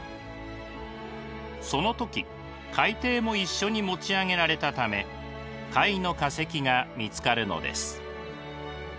その時海底も一緒に持ち上げられたため貝の化石が見つかるのです。